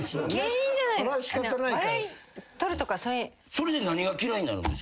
それで何が嫌いになるんですか？